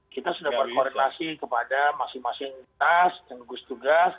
kita sudah berkoordinasi kepada masing masing tas dan gugus tugas